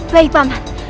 baik pak man